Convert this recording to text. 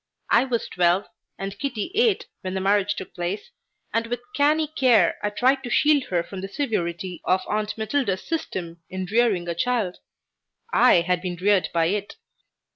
I was twelve and Kitty eight when the marriage took place, and with canny care I tried to shield her from the severity of Aunt Matilda's system in rearing a child. I had been reared by it.